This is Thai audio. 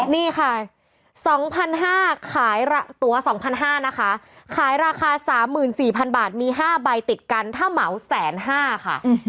นี่ค่ะ๒๕๐๐บาทขายตัว๒๕๐๐นะคะขายราคา๓๔๐๐๐บาทมี๕ใบติดกันถ้าเหมา๑๕๐๐บาทค่ะ